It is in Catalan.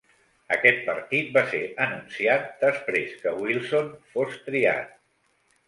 Aquest partit va ser anunciat després que Wilson fos triat.